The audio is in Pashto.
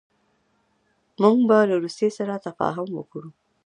موږ به له روسیې سره تفاهم وکړو.